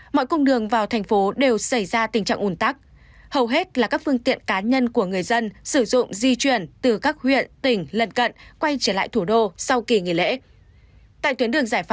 mọi cung đường vào thành phố đều xảy ra tình trạng ủn tắc hầu hết là các phương tiện cá nhân của người dân sử dụng di chuyển từ các huyện tỉnh lần cận quay trở lại thủ đô sau kỳ nghỉ lễ